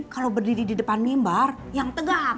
kalau berdiri di depan mimbar yang tegak ta abi